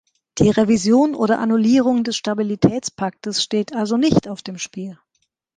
Die Revision oder Annullierung des Stabilitätspaktes steht also nicht auf dem Spiel.